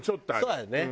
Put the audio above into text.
そうだよね。